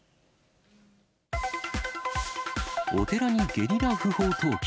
お寺にゲリラ不法投棄。